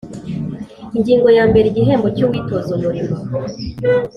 Ingingo ya mbere Igihembo cy uwitoza umurimo